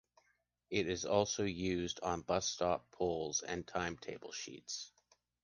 It is also used on bus stop poles and timetable sheets.